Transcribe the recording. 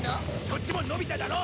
そっちものび太だろ。